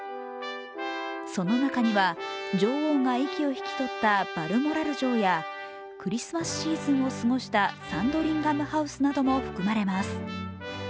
その中には女王が息を引き取ったバルモラル城や、クリスマスシーズンを過ごしたサンドリンガム・ハウスなども含まれます。